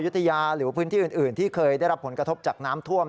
ยุธยาหรือพื้นที่อื่นที่เคยได้รับผลกระทบจากน้ำท่วม